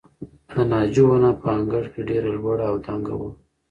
د ناجو ونه په انګړ کې ډېره لوړه او دنګه وه.